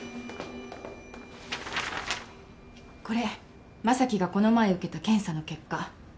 これ将貴がこの前受けた検査の結果。